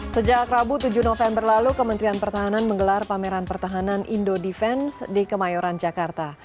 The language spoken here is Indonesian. sejak rabu tujuh november lalu kementerian pertahanan menggelar pameran pertahanan indo defense di kemayoran jakarta